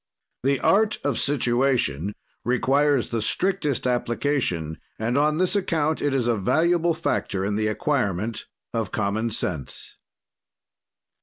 "The art of situation requires the strictest application and on this account it is a valuable factor in the acquirement of common sense.